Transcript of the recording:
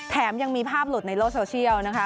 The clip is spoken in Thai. ยังมีภาพหลุดในโลกโซเชียลนะคะ